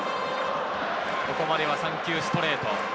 ここまでは３球ストレート。